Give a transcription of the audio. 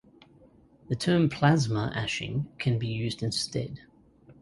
The term plasma ashing can be used instead.